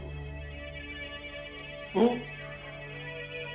aku membantu kamu